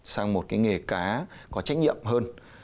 sang một cái nghề cá có trách nhiệm hơn